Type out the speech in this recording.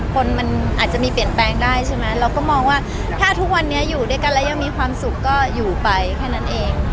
คนมันอาจจะมีเปลี่ยนแปลงได้ใช่ไหมเราก็มองว่าถ้าทุกวันนี้อยู่ด้วยกันแล้วยังมีความสุขก็อยู่ไปแค่นั้นเอง